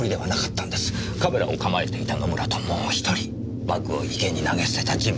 カメラを構えていた野村ともう１人バッグを池に投げ捨てた人物。